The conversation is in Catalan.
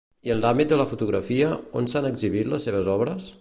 I en l'àmbit de la fotografia, on s'han exhibit les seves obres?